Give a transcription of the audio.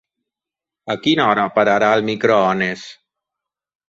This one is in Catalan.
A quina hora pararà el microones?